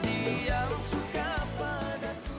diam diam suka padaku